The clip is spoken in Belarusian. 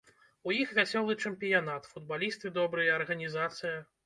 У іх вясёлы чэмпіянат, футбалісты добрыя, арганізацыя.